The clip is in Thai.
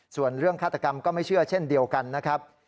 ส่วนเรื่องฆาตกรรมก็ไม่เชื่อเช่นเดียวกันนะครับ